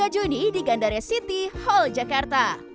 tiga juni di gandara city hall jakarta